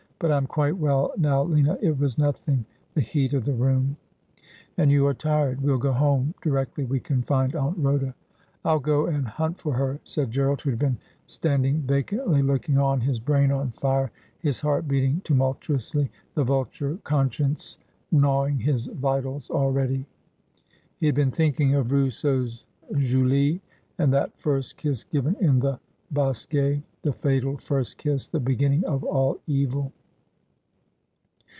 ' But I'm quite well now, Lina. It was nothing. The heat of the room.' ' And you are tired. We'll go home directly we can find Aunt Rhoda.' 'I'll go and hunt for her,' said Gerald, who had been stand ing vacantly looking on, his brain on fire, his heart beating tumultuously, the vulture conscience gnawing his vitals already. He had been thinking of Rousseau's Julie, and that first kiss given in the bosquet — the fatal first kiss — the beginning of all evil.